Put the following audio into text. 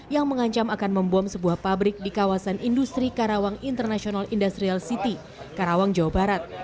yang mengancam akan membom sebuah pabrik di kawasan industri karawang international industrial city karawang jawa barat